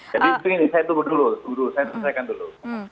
jadi saya tuntaskan dulu